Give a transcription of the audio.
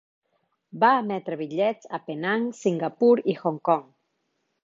Va emetre bitllets a Penang, Singapur i Hong Kong.